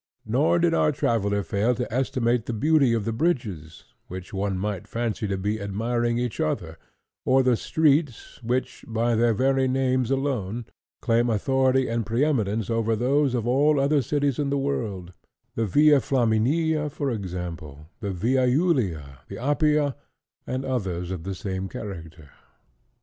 Nor did our traveller fail to estimate the beauty of the bridges, which one might fancy to be admiring each other, or the streets, which, by their very names alone, claim authority and pre eminence over those of all other cities in the world: the Via Flaminia, for example, the Via Julia, the Appia, and others of the same character.